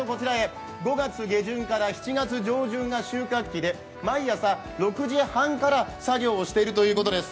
５月下旬から７月上旬が収穫期で毎朝６時半から作業をしているということです。